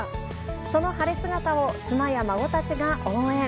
その晴れ姿を、妻や孫たちが応援。